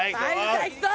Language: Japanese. ・さあいくぞ！